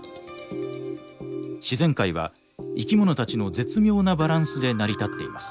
自然界は生きものたちの絶妙なバランスで成り立っています。